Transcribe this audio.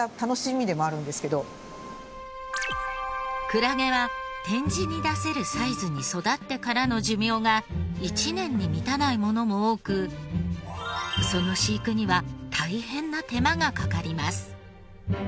クラゲは展示に出せるサイズに育ってからの寿命が１年に満たないものも多くその飼育には大変な手間がかかります。